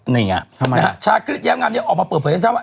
นี่ชาติคลิตแย้งงามนี้ออกมาเปิดเผยทั้งสาม